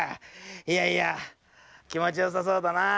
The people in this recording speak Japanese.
いやいやきもちよさそうだなぁ。